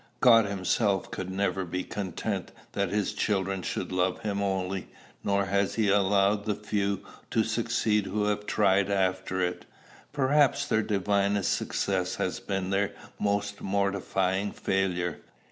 God himself could never be content that his children should love him only; nor has he allowed the few to succeed who have tried after it: perhaps their divinest success has been their most mortifying failure.